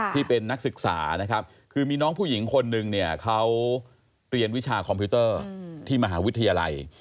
ที่เป็นนักศึกษานะครับคือมีน้องผู้หญิงคนนึงเนี่ยเขาเรียนวิชาคอมพิวเตอร์ที่มหาวิทยาลัย